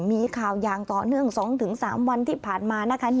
มีข่าวอย่างต่อเนื่อง๒๓วันที่ผ่านมานะคะ